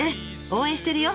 応援してるよ！